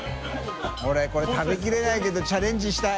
これ食べきれないけどチャレンジしたい。